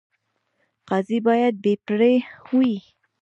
قاضي باید بې پرې وي